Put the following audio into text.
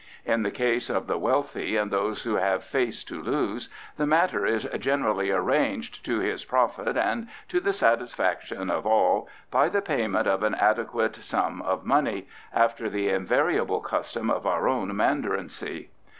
In the case of the wealthy and those who have face to lose, the matter is generally arranged, to his profit and to the satisfaction of all, by the payment of an adequate sum of money, after the invariable custom of our own mandarincy.